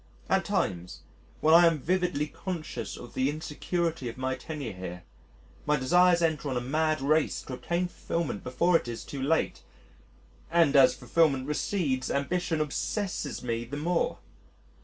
At times, when I am vividly conscious of the insecurity of my tenure here, my desires enter on a mad race to obtain fulfilment before it is too late ... and as fulfilment recedes ambition obsesses me the more.